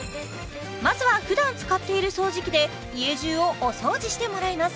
まずはふだん使っている掃除機で家じゅうをお掃除してもらいます